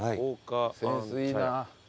センスいいな。